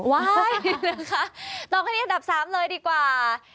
ว้ายค่ะตอนข้างนี้อันดับสามเลยดีกว่า